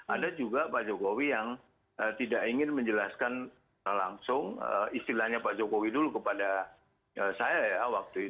ada juga pak jokowi yang tidak ingin menjelaskan langsung istilahnya pak jokowi dulu kepada saya ya waktu itu